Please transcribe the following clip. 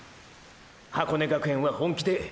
箱根学園は本気で！！